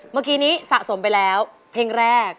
เมื่อกี้นี้สะสมไปแล้วเพลงแรก